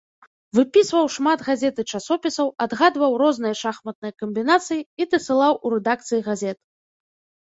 Выпісваў шмат газет і часопісаў, адгадваў розныя шахматныя камбінацыі і дасылаў у рэдакцыі газет.